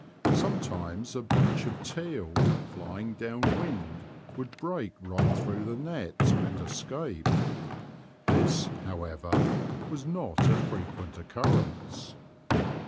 Sometimes a bunch of teal, flying down wind, would break right through the net and escape. This, however, was not a frequent occurrence.